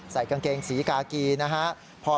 ใส่กางเกงสีกากีนะครับ